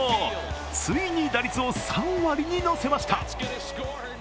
ついに打率を３割に乗せました。